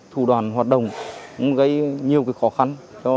thủ đoàn hoạt động gây nhiều khó khăn